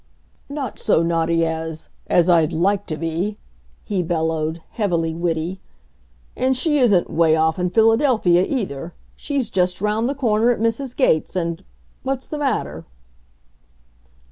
"Not so naughty as as I'd like to be," he bellowed, heavily witty. "And she isn't 'way off in Philadelphia either. She's just round the corner at Mrs. Gates', and what's the matter?"